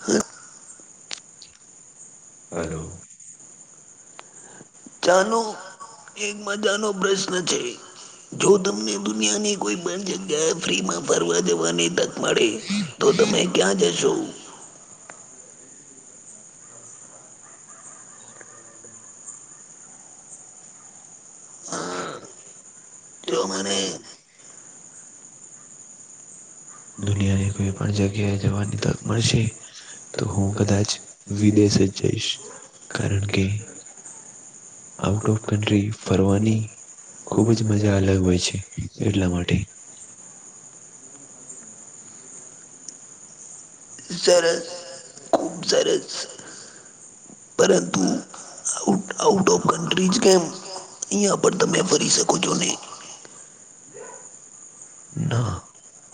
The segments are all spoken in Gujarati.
હા. હલો. ચાનો એક મજાનો પ્રશ્ન છે. જો તમને દુનિયાની કોઈ બે જગ્યાએ ફ્રીમાં ફરવા જવાની તક મળે તો તમે ક્યાં જશો જો મને. કોઈ પણ જગ્યાએ જવાની તક મળશે તો હું કદાચ વિદેશ જ જઈશ. કારણ કે. આઉટ ઓફ કન્ટ્રી ફરવાની ખુબ જ મજા અલગ હોય છે એટલા માટે સરસ ખૂબ સરસ. પરંતુ આઉટ ઓફ કન્ટ્રી જ કેમ? અહીયા પણ તમે ફરી શકો છો ને [inaudible] ના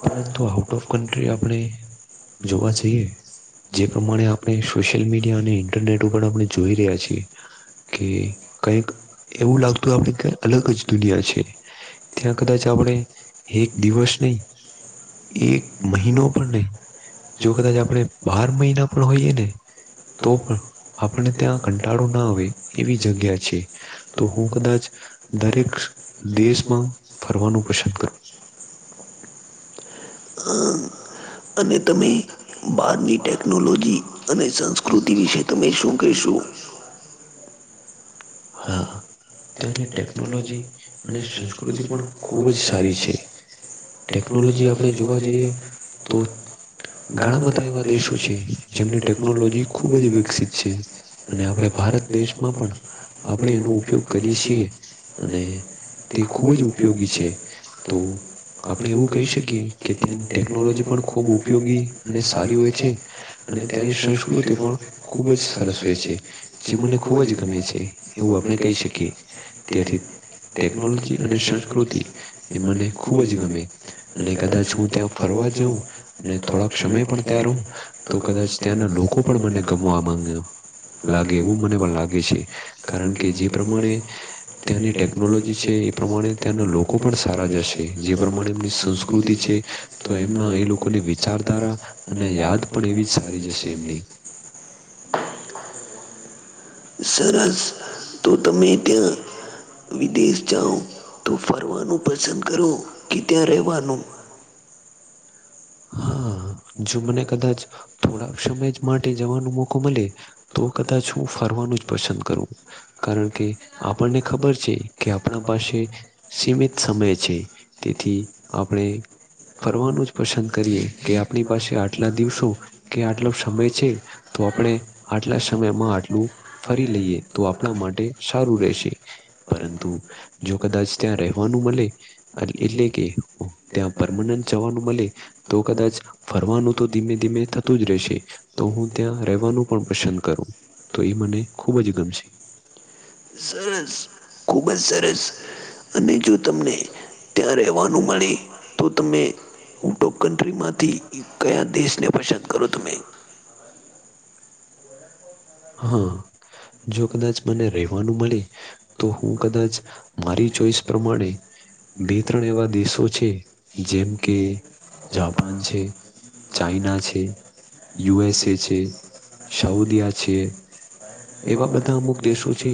પરંતુ આઉટ ઓફ કન્ટ્રી આપણે જોવા જઈએ જે પ્રમાણે આપણે સોશિયલ મીડિયા અને ઇન્ટરનેટ ઉપર આપણે જોઈ રહ્યા છીએ કે કઈક એવું લાગતું આપણે કાઈક અલગ જ દુનિયા છે ત્યાં કદાચ આપણે એક દિવસ નહી [unintelligible] તો પણ આપને ત્યાં કંટાળો ના આવે એવી જગ્યા છે તો હું કદાચ દરેક દેશમાં ફરવાનું પસંદ કરું છું હા અને તમે બહારની ટેકનોલોજી અને સંસ્કૃતિ વિશે તમે શું કહેશો? હા તેની ટેકનોલોજી અને સંસ્કૃતિ પણ ખૂબ જ સારી છે ટેકનોલોજી આપણે જોવા જઈએ તો ઘણા બધા એવા દેશો છે જેમની ટેકનોલોજી ખૂબ જ વિકસિત છે અને આપણે ભારત દેશમાં પણ આપણે એનો ઉપયોગ કરીએ છીએ અને તે ખૂબ જ ઉપયોગી છે તો આપણે એવું કહી શકીએ કે ત્યાં ની ટેકનોલોજી પણ ખૂબ ઉપયોગી અને સારી હોય છે અને ત્યાંની સંસ્કૃતિ પણ ખૂબ જ સરસ હોય છે જે મને ખૂબ જ ગમે છે એવું આપણે કહી શકીએ તેથી ટેકનોલોજી અને સંસ્કૃતિ એ મને ખૂબ જ ગમે અને કદાચ હું ત્યાં ફરવા જાઉં અને થોડાક સમય પણ ત્યા રઉ તો કદાચ ત્યાંના લોકો પણ મને ગમવા લાગે એવું મને પણ લાગે છે કારણ કે જે પ્રમાણે ત્યાંની ટેકનોલોજી છે એ પ્રમાણે ત્યાંના લોકો પણ સારા જ હશે જે પ્રમાણે એમની સંસ્કૃતિ છે તો એમના એ લોકોની વિચારધારા અને યાદ પણ એવી જ સારી હશે એમની સરસ તો તમે ત્યાં વિદેશ જાઓ તો ફરવાનું પસંદ કરો કે ત્યાં રહેવાનું હા જો મને થોડાક સમય [unintelligible] તો કદાચ હું ફરવાનું જ પસંદ કરું કારણ કે આપણને ખબર છે કે આપના પાસે જે એક સંદેહ છે જેથી આપણે ફરવાનું પસંદ કરીએ કે આપણી પાસે આટલા દિવસો કે આટલો સમય છે તો આપણે આટલા સમયમાં આટલું ફરી લઈએ તો આપણા માટે સારું રહેશે પરંતુ જો કદાચ ત્યાં રહેવાનું મળે એટલે કે ત્યાં પરમનન્ટ જવાનું મળે તો કદાચ ફરવાનું તો ધીમે ધીમે થતું જ રહેશે તો હું ત્યાં રહેવાનું પણ પસંદ કરું તો એ મને ખૂબ જ ગમશે સરસ ખુબ જ સરસ અને જો તમને ત્યાં રહેવાનું મળે તો તમે તો કન્ટ્રીમાંથી કયા દેશને પસંદ કરો તમે હા જો કદાચ મને રવાનું મળે તો હું કદાચ મારી ચોઈસ પ્રમાણે બે ત્રણ એવા દેશો છે જેમ કે જાપાન છે ચાઈના છે યુએસ એ છે સાઉદીયા એવા બધા દેશો છે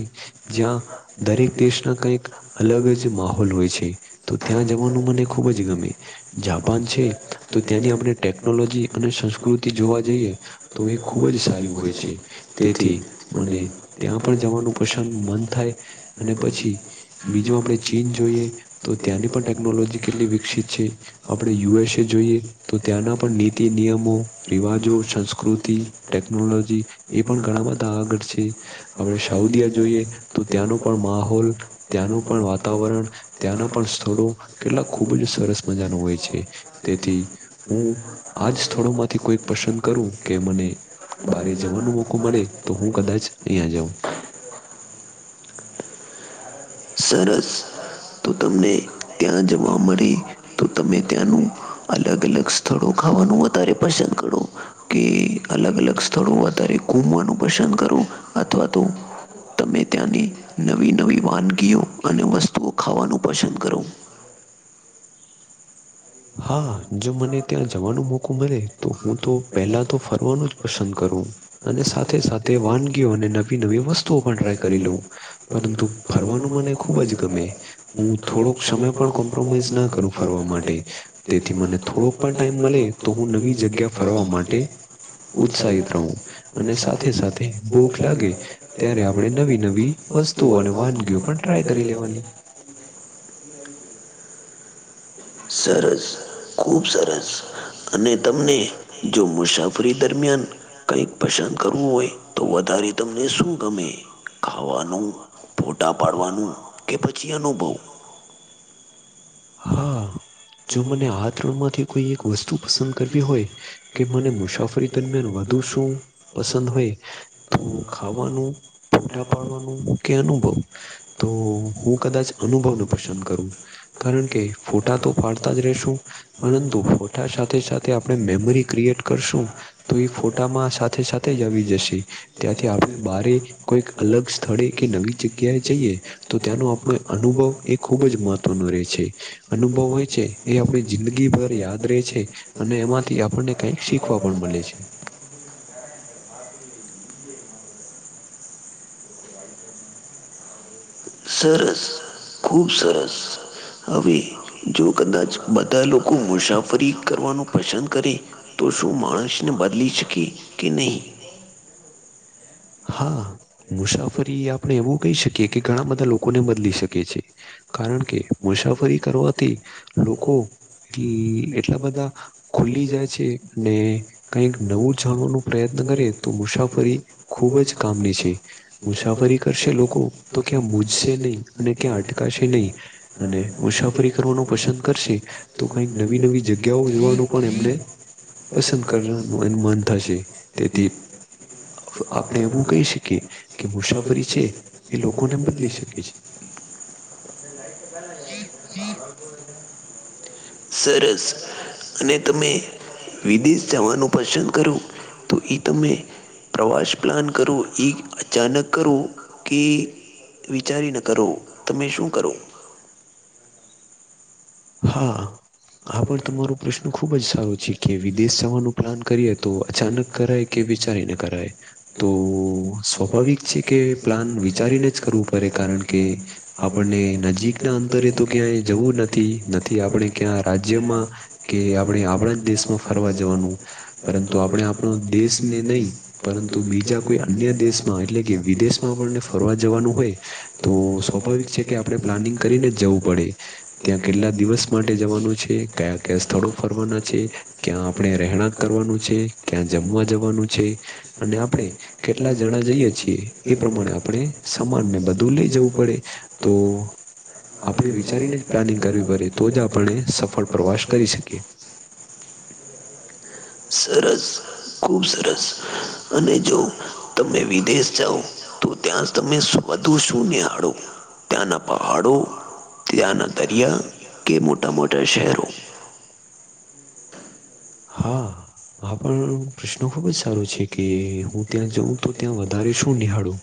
જ્યા દરેક દેશ અલગ જ માહોલ હોય છે મને ખુબ જ ગમે જાપાન છે ત્યારે ટેકનોલોજીૃ જોવા જઈએ તો મને ખુબ જ સારું પડે છે તેથી મને તે પણ થાય ને પછી બીજ ચી તો તની ટેકનોલોજીકલી વિકસિત છે. આપણે યુએસએ જોઈએ, તો ત્યાંના પણ નીતિ નિયમો રિવાજો સંસ્કૃતિ હમ્મ એ પણ ઘણા બધા આગળ છે, આપણે સાઉદી જોઈએ તો ત્યાંનો પણ માહોલ ત્યાંનું પણ વાતાવરણ ત્યાંના પણ સ્થળો કેટલાક ખુબ જ સરસ મજાનું હોય છે. તે જ આજ માટે પ્રશ્ન કરું કે બ જ મળે તો હું કદાચ અહિયાં જાઉ સરસ તો તનેહી હ અલગ અલગ સ્થળો ખાવાનું વધારે પસંદ કરુ કે અલગ અલગ સ્થળો વધારે ઘૂમવાનું પસંદ કરો અથવા તો તમે ત્યાંની નવી નવી વાનગીઓ અને વસ્તુઓ ખાવાનું પસંદ કરો હા જો મને ત્યાં જવાનો મોકો મળે તો હુ તો પહેલા તો ફરવાનું જ પસંદ કરુ અને સાથે સાથે વાનગીઓ અને નવી નવી વસ્તુઓ પણ ટ્રાય કરી લઉ પરંતુ ફરવાનું મને ખુબ જ ગમે હુ, થોડોક સમય પણ કોમ્પ્રોમાઈઝ ના કરુ ફરવા માટે તેથી મને થોડોક પણ ટાઈમ મળે તો હું નવી જગ્યા ફરવા માટે ઉત્સાહિત રહુ, અને સાથે સાથે ભૂખ લાગે ત્યારે આપણે નવી નવી વસ્તુ અને વાનગી પણ ટ્રાય કરી લેવાની ને એ સર સરસ ખૂબ સરસ અને તમને જો મુસાફરી દરમિયાન કઈક પસંદ કરવું હોય તો વધારે તમને શુ ગમે ખાવાનું ફોટા પાડવાનું કે પછી અનુભવ હા જો મને આ ત્રણમાંથી કોઈ એક વસ્તુ પસંદ કરવી હોય કે મને મુસાફરી દરમિયાન વધુ શું પસંદ હોય. તો ખાવ પોટ ખબ કખબ તો હું કદાચ અનુભવને પસંદ કરુ કારણ કે ફોટા તો ફાડતા જ રશું પરંતુ ફોટા સાથે સાથે આપણે મેમરી ક્રિએટ કરશું તો એ ફોટામાં સાથે સાથે જ આવી જશે ત્યાંથી આપણે બારે કોઈક અલગ સ્થળે કે નવી જગ્યાએ જઈએ તો ત્યાનો આપણો અનુભવ એ ખુબ જ મહત્વનો રહે છે. અનુ હોય છે એ આપ જિંદગીભર યાદ રહે છે અને એમાંથી આપણને કઈક શીખવા પણ મળે છે. સરસ ખૂબ સરસ હવે જો કદાચ બધા લોકો મુસાફરી કરવાનું પસંદ કરે તો શું માણસને બદલી શકે કે નહી હા મુસાફરી આપણે એવું કહી શકીએ કે ઘણા બધા લોકોને બદલી શકે છે. કારણ કે મુસાફરી કરવાથી લોકો એટલા બધા ખુલી જાય છે, કઈ નવુંત્ન કરે ખૂબ જ કામની છે મુસાફરી કરશે લોકો તો ક્યાં મુૂજશે નહી અને ક્યાં અટકાશે નહી અને મુસાફરી કરવાનું પસંદ કરશે તો કઈક નવી નવી જગ્યાઓ જોવાનું પણ એમને પસંદ કરનું મન થશે તેથી આપ એ ક છે હ છે. એ લ સરસ અને તમે વિદેશ જવાનું પસંદ કરો તો એ તમે પ્રવાસ પ્લાન કરું એ અચાનક કરું કે વિચારી ન કરો તમે શું કરો? હા. આ પર તમારો પ્રશ્ન ખુબ જ સારો છે કે વિદેશ જવાનું પ્લાન કરીએ તો અચાનક કરાય કે વિચારીને કરાય. તો સ્વાભાવિક છે કે પ્લાન વિચારીને જ કરવું પડે કારણ કે કે આપણને નજીકના અંતરે તો ક્યાંય જવું નથી. નથી આપણે ક્યાં રાજ્યમાં કે આપણે આપણા જ દેશમાં ફરવા જવાનું. પરંતુ આપણે આપણો દેશને નહી પરંતુ બીજા કોઈ અન્ય દેશમાં એટલે કે વિદેશ આપણને ફરવા જવાનું હોય. તો સ્વાભાવિક છે કે આપણે પ્લાનિંગ કરીને જ જવું પડે. ત્યાં કેટલા દિવસ માટે જવાનું છે? કયા-કયા સ્થળો ફરવાના છે? ક્યાં આપણે રહેણા કરવાનું છે? ક્યાં જમવા જવાનું છે? અને આપણે કેટલા જણા જઈએ છીએ? એ પ્રમાણે આપણે સમાનને બધું લઈ જવું પડે. તો આપણે વિચારીને પ્લાનિંગ કરવી પડે. [inaudible] સરસ. ખુબ સરસ અને જો તમે વિદેશ જાઉં તો ત્યાં તમે વધુ શુંહાડો ત્યાં પહાડો? ત્યાં દરિયા? કે મોટા મોટા શહેરો? હા. હા પણ પ્રશ્ન ખુબ જ સારો છે કે, હું ત્યાં જઉં તો ત્યાં વધારે શું નિહાળું?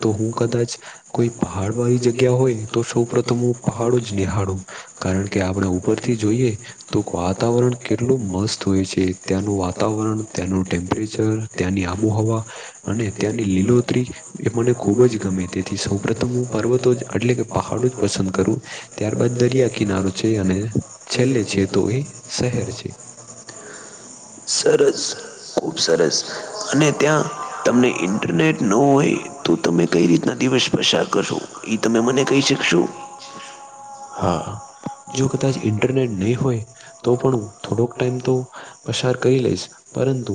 તો હું કદાચ કોઈ પહાડ વાળી જગ્યા હોય, તો સૌ પ્રથમ હું પહાડો જ નિહાળું. કારણ કે આપણે ઉપરથી જોઈએ તો વાતાવરણ કેટલું મસ્ત છે. ત્યાંનું વાતાવરણ, ત્યાંનું ટેમ્પરેચર, ત્યાંની આબોહવા અને ત્યાંની લીલોતરી એ મને ખુબ જ ગમે. તેથી સૌ પ્રથમ હું પર્વતો જ એટલે કે પહાડ જ પસંદ કરવું, ત્યારબાદ દરિયા કિનારો છે અને છેલ્લે છે તો એ શહેર છે. સરસ. ખુબ સરસ અને ત્યાં તમને ઇન્ટરનેટ ન હોય તો તમે કઈ રીતના દિવસ પસાર કરશો. એ તમે મને કહી શકશો? હા જો કદાચ ઇન્ટરનેટ નહી હોય તો પણ થોડોક ટાઈમ તો પસાર કરી લઈશ, પરંતુ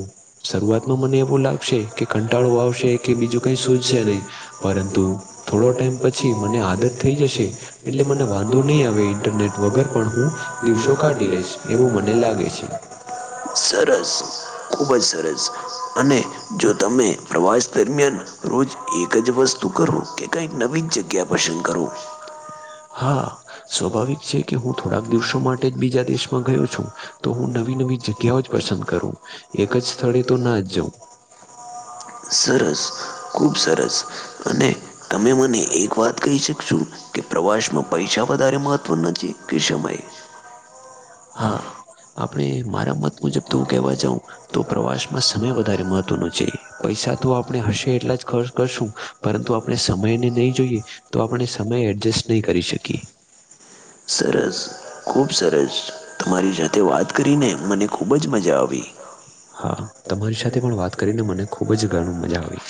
શરૂઆતમાં મને એવું લાગશે કે કંટાળો આવશે બીજું ક સુશે નહી પરંતુ થોડો ટાઈમ પછી મને આદત થઈ જશે એટલે મને વા નહી આવે ઇન્ટરનેટ વગર પણ હું દિવસો કાઢી લઈશ એવું મને લાગે છે. સરસ. ખુબ જ સરસ અને જો તમે પ્રવાસ દરમિયાન રોજ એક જ વસ્તુ કરું કે કઈક નવી જગ્યા પસંદ કરો? હા સ્વાભાવિક છે કે હું થોડાક દિવસો માટે જ બીજા દેશમાં ગયો છું તો હું નવી નવી જ કવ જ પસંદ કરવું. એક જ સ્થળે તો નઈ અજ જઉું. સરસ ખુબ સરસ. અને તમે મને એક વાત કહી શકશો કે પ્રવાસમાં પૈસા વધારે મહત્વ નથી કે સમયે? હા. આપણે મારા મત મુજબ તો હું કહેવા જાઉં તો પ્રવાસમાં સમય વધારે મહત્વનો છે. પૈસા તો આપણે હશે એટલા જ ખર્ચ કરશું પરંતુ આપણે સમયને નહી જોઈએ તો આપણે સમય એડજસ્ટ નહીં કરી શકીએ. સરસ, ખુબ સરસ. તમારી જાતે વાત કરીને મને ખૂબ જ મજા આવી. હા તમારી સાથે પણ વાત કરીને મને ખુબ જ ઘણી મજા આવી.